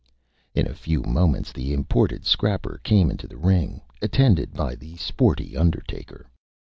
In a few Moments the Imported Scrapper came into the Ring, attended by the Sporty Undertaker.